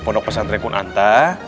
pondok pesantre kunanta